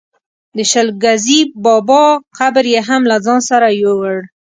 د شل ګزي بابا قبر یې هم له ځانه سره یووړ.